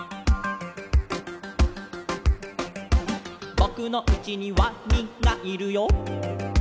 「ぼくのうちにワニがいるよ」